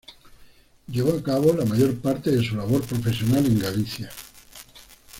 Llevó a cabo la mayor parte de su labor profesional en Galicia.